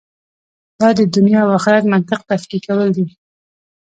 دا د دنیا او آخرت منطق تفکیکول دي.